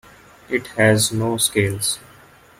It has no scales.